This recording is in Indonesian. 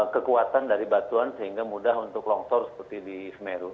kekuatan dari batuan sehingga mudah untuk longsor seperti di semeru